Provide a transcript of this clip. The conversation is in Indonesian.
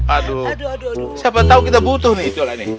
aduh siapa tau kita butuh nih itu lah nih